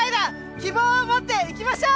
希望をもっていきましょう！